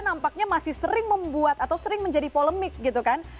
nampaknya masih sering membuat atau sering menjadi polemik gitu kan